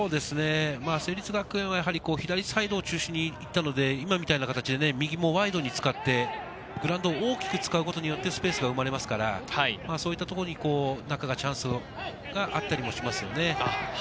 成立学園は左サイド中心にいったので、今みたいな形で右もワイドに使ってグラウンドを大きく使うことでスペースが生まれますから、そういったところに中にチャンスがあったりしますよね。